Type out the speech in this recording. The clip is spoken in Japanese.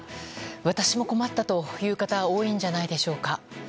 私も困ったという方多いんじゃないでしょうか。